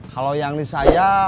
kalau yang di saya